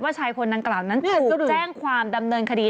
ว่าชายคนนั้นกราบนั้นถูกแจ้งความดำเนินคดี